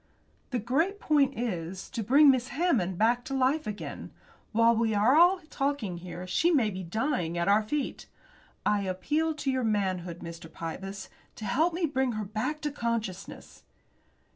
"The great point is to bring Miss Hammond back to life again. While we are talking here she may be dying at our feet. I appeal to your manhood, Mr. Pybus, to help me bring her back to consciousness."